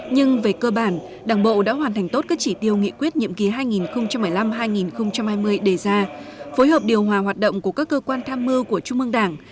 nhưng về cơ bản đảng bộ đã hoàn thành tốt các chỉ tiêu nghị quyết nhiệm ký hai nghìn một mươi năm hai nghìn hai mươi đề ra phối hợp điều hòa hoạt động của các cơ quan tham mưu của trung mương đảng